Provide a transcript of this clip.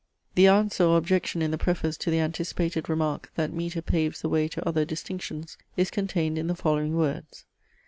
The answer or objection in the preface to the anticipated remark "that metre paves the way to other distinctions," is contained in the following words.